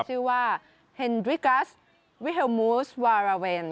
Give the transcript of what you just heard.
ชื่อว่าเฮนดริกัสวิเฮลมูสวาราเวน